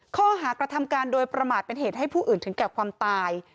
ข้อหากระทำการโดยประมาทเป็นเหตุให้ผู้อื่นถึงแก่ความตาย